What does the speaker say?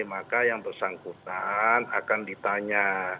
maka yang bersangkutan akan ditanya